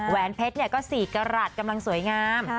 แหวนเพชรก็สีกระหลัดกำลังสวยงาม